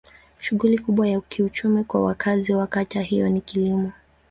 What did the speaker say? Shughuli kubwa ya kiuchumi kwa wakazi wa kata hiyo ni kilimo.